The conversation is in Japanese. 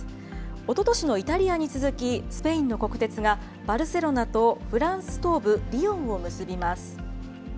おととしのイタリアに続き、スペインの国鉄が、バルセロナとフランス東部リヨンを結びます。